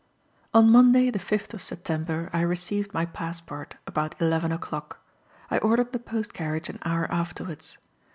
On Monday, the 5th of September, I received my passport, about 11 o'clock; I ordered the post carriage an hour afterwards.